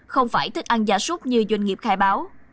không phải thức ăn gia súc như doanh nghiệp khai báo